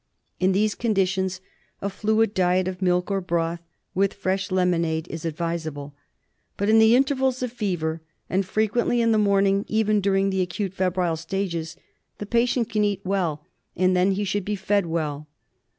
In these conditions a fluid diet of milk, or broth, with fresh lemonade, is advisable ; but in the intervals of fever, and frequently in the morning even during the acute febrile stages, the patient can eat well, and then he should be fed well.